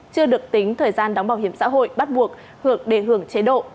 chưa được tính thời gian đóng bảo hiểm xã hội bắt buộc hược đề hưởng chế độ